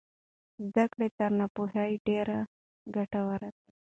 زده کړې تر ناپوهۍ ډېرې ګټورې دي.